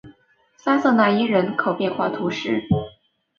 沙瑟讷伊人口变化图示